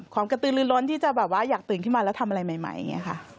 กระตือลื้อล้นที่จะแบบว่าอยากตื่นขึ้นมาแล้วทำอะไรใหม่อย่างนี้ค่ะ